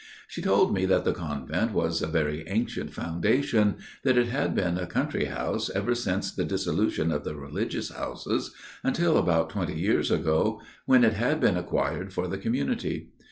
"She told me that the convent was a very ancient foundation, that it had been a country house ever since the Dissolution of the Religious Houses, until about twenty years ago, when it had been acquired for the community.